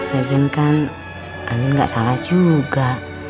lagian kan andin gak salah juga